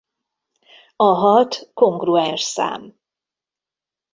A hat kongruens szám.